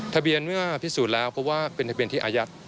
ทะเบียนเมื่อพิสูจน์แล้วเพราะว่าเป็นทะเบียนทีอาญัก